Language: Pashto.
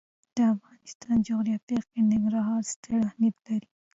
د افغانستان جغرافیه کې ننګرهار ستر اهمیت لري.